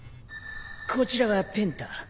こちらはペンタ。